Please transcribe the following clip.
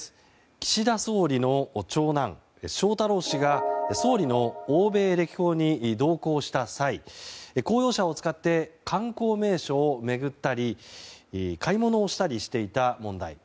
岸田総理の長男・翔太郎氏が総理の欧米歴訪に同行した際公用車を使って観光名所を巡ったり買い物をしたりしていた問題。